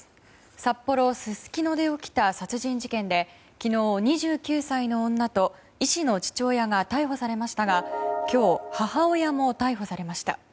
札幌・すすきので起きた殺人事件で昨日、２９歳の女と医師の父親が逮捕されましたが今日、母親も逮捕されました。